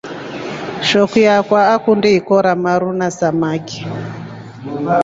Shokio yakwa nakundi ikoro maru na maraki.